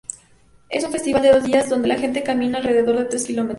Es un festival de dos días donde la gente camino alrededor de tres kilómetros.